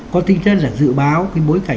có tin chất là dự báo cái bối cảnh